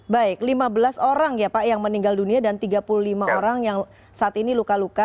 baik lima belas orang ya pak yang meninggal dunia dan tiga puluh lima orang yang saat ini luka luka